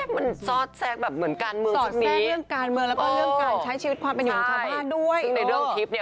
มันซอดแทรกเหมือนการเมืองแบบนี้โอ้โฮโอ้โฮ